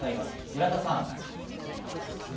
村田さん。